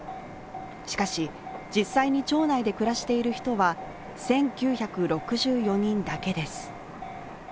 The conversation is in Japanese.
しかし、実際に町内で暮らしている人は１９６４人だけです。